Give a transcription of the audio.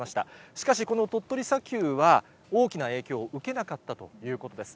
しかし、この鳥取砂丘は大きな影響受けなかったということです。